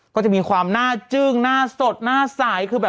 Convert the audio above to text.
ก็จะมีความหน้าจึ้งหน้าสดหน้าสายคือแบบ